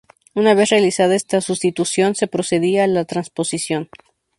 Una vez realizada esta sustitución, se procedía a la transposición.